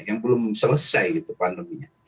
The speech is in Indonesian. yang belum selesai pandeminya